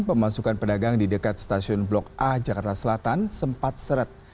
pemasukan pedagang di dekat stasiun blok a jakarta selatan sempat seret